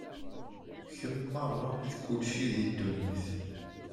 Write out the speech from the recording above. Kemm merra i d kulci di ddunit-iw.